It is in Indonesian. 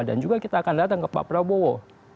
dan juga kita akan datang ke pak prabowo